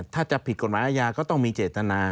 ถ้าจะผิดกฎหมายอาญาก็ต้องมีเจตนา